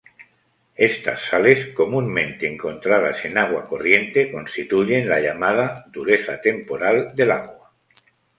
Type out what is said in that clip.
Estas sales comúnmente encontradas en agua corriente constituyen la llamada "dureza temporal" del agua.